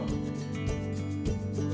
đồng hành cùng dân tộc